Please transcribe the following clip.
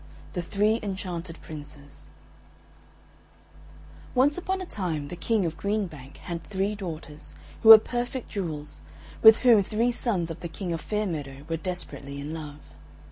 XXI THE THREE ENCHANTED PRINCES Once upon a time the King of Green Bank had three daughters, who were perfect jewels, with whom three sons of the King of Fair Meadow were desperately in love.